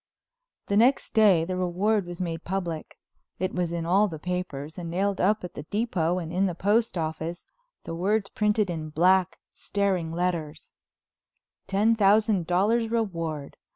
The next day the reward was made public. It was in all the papers and nailed up at the depot and in the post office, the words printed in black, staring letters: TEN THOUSAND DOLLARS REWARD!